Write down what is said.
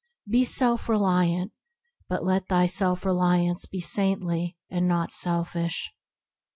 Be self reliant, but let thy self reliance be saintly and not selfish.